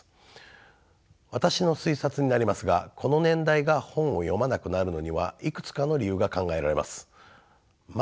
私の推察になりますがこの年代が本を読まなくなるのにはいくつかの理由が考えられます。